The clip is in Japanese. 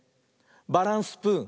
「バランスプーン」！